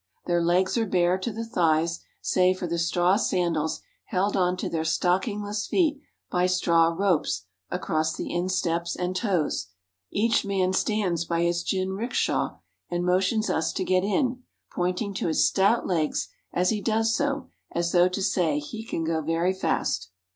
Their legs are bare to the thighs, save for the straw sandals held on to their stockingless feet by straw ropes across the insteps and toes. Each man stands by his jinrikisha and motions us to get in, pointing to his stout legs as he does so as though to say he can go very fast.